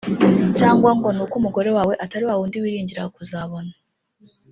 cyangwa ngo ni uko umugore wawe atari wa wundi wiringiraga kuzabona